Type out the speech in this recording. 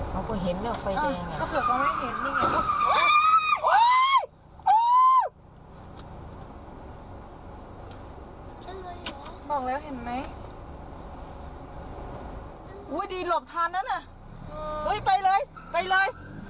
ใช่เลยเหรอบอกแล้วเห็นไหมอุ๊ยดีหลบทานแล้วนะอุ๊ยไปเลยไปเลย